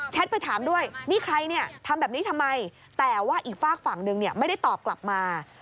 ไปถามด้วยนี่ใครเนี่ยทำแบบนี้ทำไมแต่ว่าอีกฝากฝั่งนึงไม่ได้ตอบกลับมา